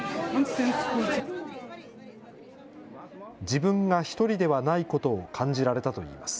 自分がひとりではないことを感じられたといいます。